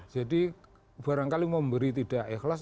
jadi barangkali memberi tidak ikhlas